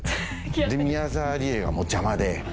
で宮沢りえはもう邪魔で。